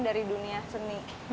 dari dunia seni